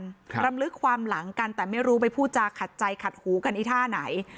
รำลึกความหลังกันแต่ไม่รู้ไปพูดจาขัดใจขัดหูกันไอ้ท่าไหน